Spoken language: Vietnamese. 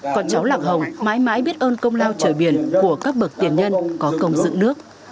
con cháu lạc hồng mãi mãi biết ơn công lao trời biển của các bậc tiền nhân có công dựng nước